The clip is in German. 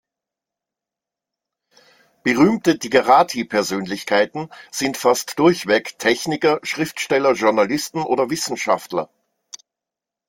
Berühmte Digerati-Persönlichkeiten sind fast durchweg Techniker, Schriftsteller, Journalisten oder Wissenschaftler.